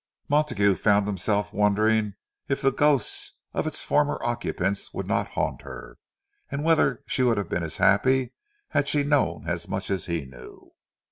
Montague found himself wondering if the ghosts of its former occupants would not haunt her, and whether she would have been as happy, had she known as much as he knew.